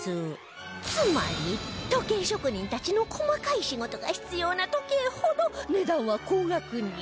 つまり時計職人たちの細かい仕事が必要な時計ほど値段は高額に